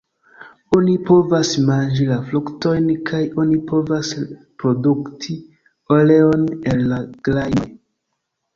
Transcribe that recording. Oni povas manĝi la fruktojn kaj oni povas produkti oleon el la grajnoj.